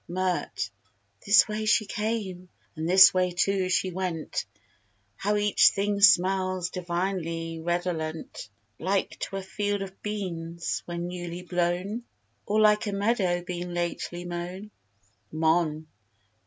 MIRT. This way she came, and this way too she went; How each thing smells divinely redolent! Like to a field of beans, when newly blown, Or like a meadow being lately mown. MON.